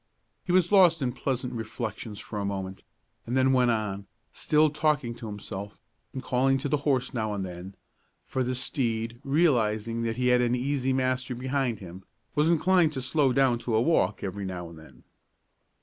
He was lost in pleasant reflections for a moment, and then went on, still talking to himself, and calling to the horse now and then, for the steed, realizing that he had an easy master behind him, was inclined to slow down to a walk every now and then.